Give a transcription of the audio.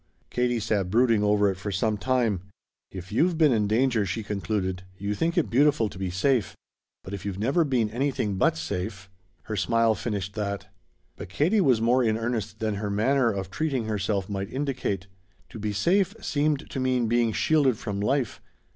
Katie sat brooding over it for some time. "If you've been in danger," she concluded, "you think it beautiful to be 'safe.' But if you've never been anything but 'safe' " Her smile finished that. But Katie was more in earnest than her manner of treating herself might indicate. To be safe seemed to mean being shielded from life.